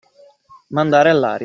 Mandare all'aria.